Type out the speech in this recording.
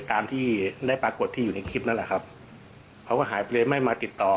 ตามที่ได้ปรากฏที่อยู่ในคลิปนั่นแหละครับเขาก็หายไปเลยไม่มาติดต่อ